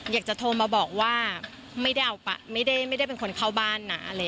อยากจะโทรมาบอกว่าไม่ได้เป็นคนเข้าบ้านนะ